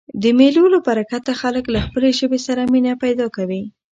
د مېلو له برکته خلک له خپلي ژبي سره مینه پیدا کوي.